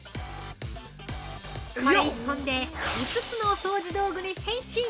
これ１本で５つのお掃除道具に変身。